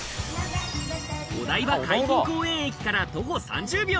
お台場海浜公園駅から徒歩３０秒。